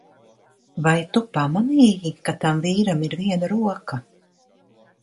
Vai tu pamanīji, ka tam vīram ir viena roka?